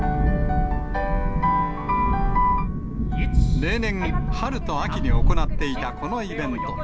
例年、春と秋に行っていたこのイベント。